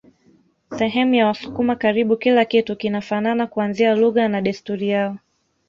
Sehemu ya wasukuma karibu kila kitu kinafanana kuanzia lugha na desturi yao